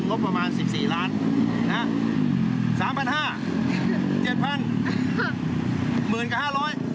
บประมาณสิบสี่ล้านนะฮะสามพันห้าเจ็ดพันหมื่นกับห้าร้อย